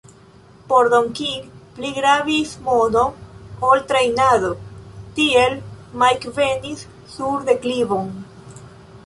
Por Don King pli gravis mono ol trejnado, tiel Mike venis sur deklivon.